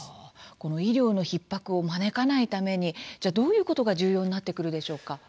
この医療のひっ迫を招かないためにじゃあ、どういうことが重要になってくるでしょうか。